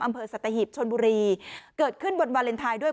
อำเภอสัตหิบชนบุรีเกิดขึ้นบนวาเลนไทยด้วย